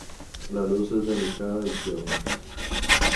La luz es delicada y tierna.